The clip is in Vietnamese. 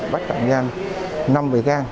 bách trạng giang năm bệ can